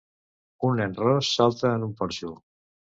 Un nen ros salta en un porxo.